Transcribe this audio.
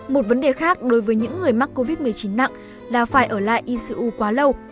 một vấn đề khác đối với những người mắc covid một mươi chín nặng là phải ở lại icu quá lâu